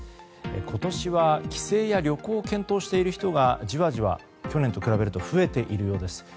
今年は帰省や旅行を検討している人が、じわじわ去年と比べると増えているようです。